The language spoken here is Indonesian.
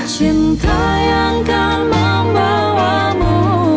cinta yang kan membawamu